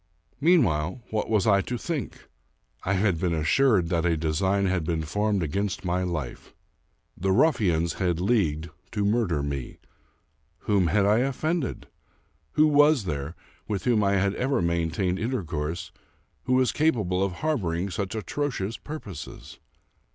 Meanwhile, what was I to think? I had been assured that a design had been formed against my life. The ruffians had leagued to murder me. Whom had I offended? Who was there, with whom I had ever maintained intercourse, who was capable of harboring such atrocious purposes